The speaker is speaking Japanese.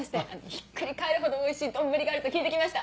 ひっくり返るほどおいしい丼があると聞いて来ました。